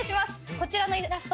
こちらのイラスト